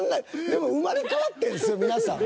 でも生まれ変わってんすよ皆さん。